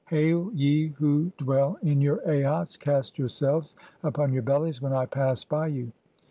(4) Hail, ye who dwell "in your Aats, cast yourselves upon your bellies when I pass "by you.